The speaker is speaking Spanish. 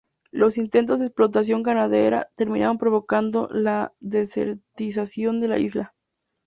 Los intentos de explotación ganadera terminaron provocando la desertización de la isla.